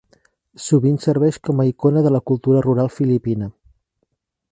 Sovint serveix com a icona de la cultura rural filipina.